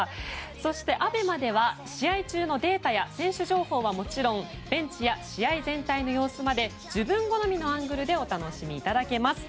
そして、ＡＢＥＭＡでは試合中のデータや選手情報はもちろんベンチや試合全体の様子まで自分好みのアングルでお楽しみいただけます。